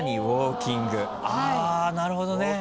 なるほどね。